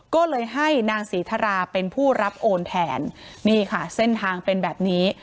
ก็เลยให้นางศรีธราเป็นผู้รับโอนแทนนี่ค่ะเส้นทางเป็นแบบนี้